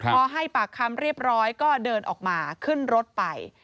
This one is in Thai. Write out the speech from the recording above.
พอให้ปากคำเรียบร้อยก็เดินออกมาขึ้นรถไป